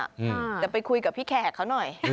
เดี๋ยวไปคุยกับพี่แขกเขาหน่อย